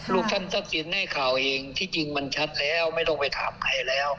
ลูกท่านทรัพย์สินให้ข่าวเองที่จริงมันชัดแล้วไม่ต้องไปถามใครแล้ว